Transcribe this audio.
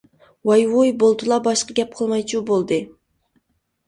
ۋاي-ۋۇي بولدىلا باشقا گەپ قىلمايچۇ بولدى.